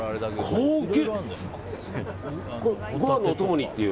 高級！